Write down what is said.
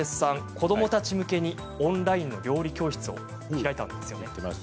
子どもたち向けにオンラインの料理教室を開いたんですよね。